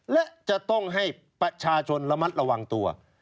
และจะต้องให้ประชาชนระมัดระวังตัว